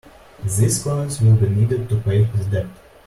These coins will be needed to pay his debt.